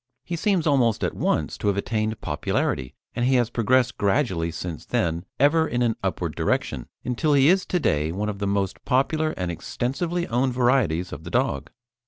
He seems almost at once to have attained popularity, and he has progressed gradually since then, ever in an upward direction, until he is to day one of the most popular and extensively owned varieties of the dog.